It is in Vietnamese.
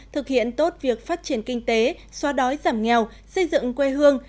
thực hiện tốt việc phát triển kinh tế xóa đói giảm nghèo xây dựng quê hương